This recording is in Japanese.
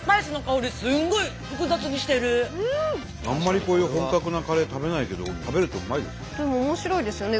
あんまりこういう本格なカレー食べないけど食べるとうまいですね。